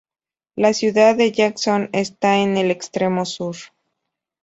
La ciudad de Jackson está en el extremo sur.